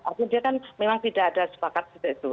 artinya dia kan memang tidak ada sepakat seperti itu